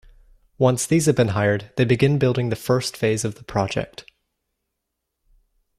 Once these have been hired, they begin building the first phase of the project.